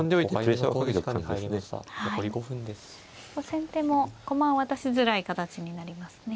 先手も駒を渡しづらい形になりますね。